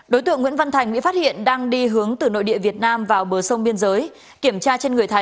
đối tượng nguyễn văn thành bị phát hiện đang đi hướng từ nội địa việt nam vào bờ sông biên giới